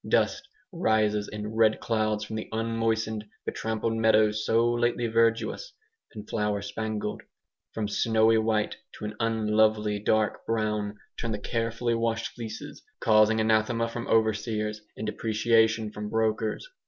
Dust rises in red clouds from the unmoistened, betrampled meadows so lately verdurous and flower spangled. From snowy white to an unlovely dark brown turn the carefully washed fleeces, causing anathema from overseers and depreciation from brokers.